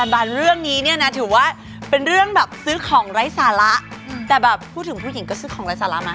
แต่เรื่องนี้เนี่ยนะถือว่าเป็นเรื่องแบบซื้อของไร้สาระแต่แบบพูดถึงผู้หญิงก็ซื้อของไร้สาระมา